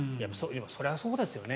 それはそうですよね。